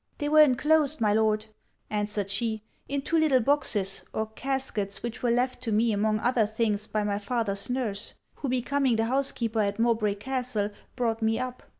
'They were enclosed, my Lord,' answered she 'in two little boxes or caskets which were left to me among other things by my father's nurse; who becoming the housekeeper at Mowbray Castle, brought me up.